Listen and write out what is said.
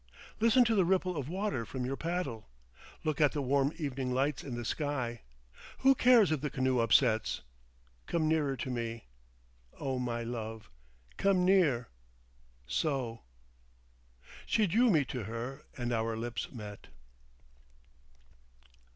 Listen to the ripple of water from your paddle. Look at the warm evening light in the sky. Who cares if the canoe upsets? Come nearer to me. Oh, my love! come near! So." She drew me to her and our lips met.